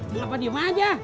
kenapa diem aja